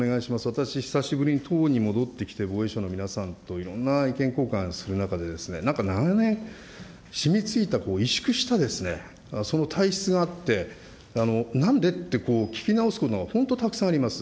私、久しぶりに党に戻ってきて、防衛省の皆さんといろんな意見交換する中で、なんか長年しみついた萎縮したその体質があって、なんでってこう、聞き直すことが本当、たくさんあります。